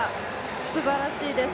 すばらしいです。